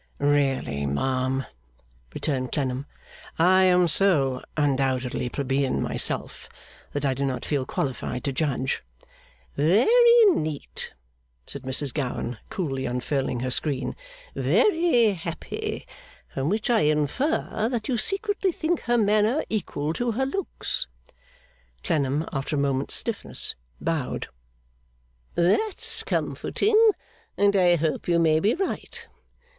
'Really, ma'am,' returned Clennam, 'I am so undoubtedly plebeian myself, that I do not feel qualified to judge.' 'Very neat!' said Mrs Gowan, coolly unfurling her screen. 'Very happy! From which I infer that you secretly think her manner equal to her looks?' Clennam, after a moment's stiffness, bowed. 'That's comforting, and I hope you may be right.